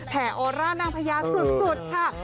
แขนโอราณังพยาสุ่งสุดค่ะ